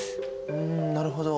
うんなるほど。